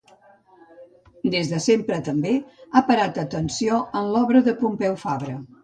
Des de sempre també, ha parat atenció en l'obra de Pompeu Fabra.